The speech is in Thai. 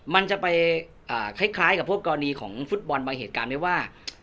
มันจะไปคล้ายกับพวกกรณีของฟุตบอลบางเหตุการณ์ได้ว่า